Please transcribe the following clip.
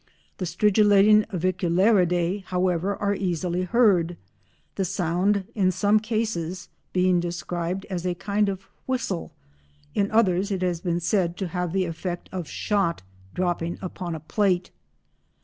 The stridulating Aviculariidae, however, are easily heard, the sound in some cases being described as a kind of whistle,—in others it has been said to have the effect of shot dropping upon a plate.